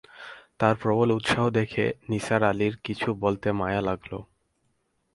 তার প্রবল উৎসাহ দেখে নিসার আলির কিছু বলতে মায়া লাগল!